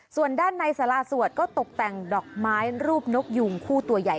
ส่วนด้านในสาราสวดก็ตกแต่งดอกไม้รูปนกยุงคู่ตัวใหญ่